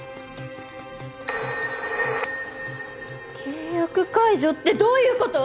契約解除ってどういう事！？